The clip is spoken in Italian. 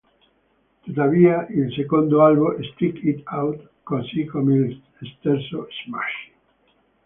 Tuttavia il secondo albo "Stick It Out", così come il terzo "Smashing!